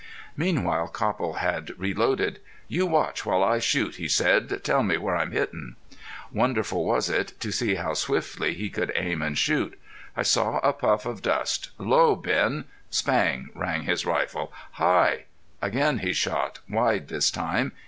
Meanwhile Copple had reloaded. "You watch while I shoot," he said. "Tell me where I'm hittin'." Wonderful was it to see how swiftly he could aim and shoot. I saw a puff of dust. "Low, Ben!" Spang rang his rifle. "High!" Again he shot, wide this time.